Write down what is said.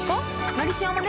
「のりしお」もね